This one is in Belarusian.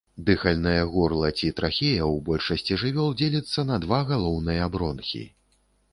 Дыхальнае горла, ці трахея, у большасці жывёл дзеліцца на два галоўныя бронхі.